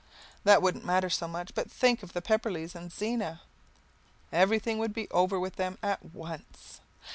That wouldn't matter so much, but think of the Pepperleighs and Zena! Everything would be over with them at once.